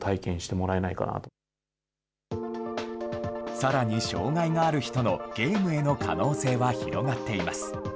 さらに障害がある人のゲームへの可能性は広がっています。